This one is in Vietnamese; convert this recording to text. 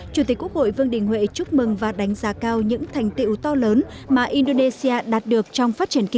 chủ tịch quốc hội vương đình huệ chúc mừng và đánh giá cao những thành tựu to lớn mà indonesia đạt được trong phát triển thế giới